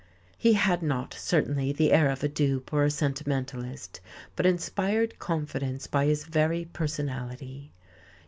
He had not, certainly, the air of a dupe or a sentimentalist, but inspired confidence by his very personality.